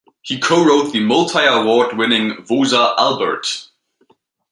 He co-wrote the multi-award winning Woza Albert!